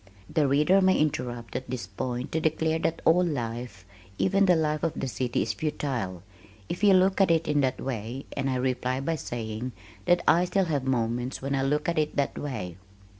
The reader may interrupt at this point to declare that all life, even the life of the city is futile, if you look at it in that way, and I reply by saying that I still have moments when I look at it that way.